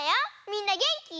みんなげんき？